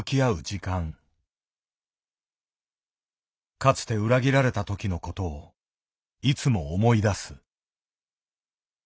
かつて裏切られた時のことをいつも思い出す。